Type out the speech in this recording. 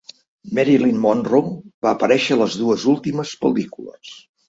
Marilyn Monroe va aparèixer a les dues últimes pel·lícules.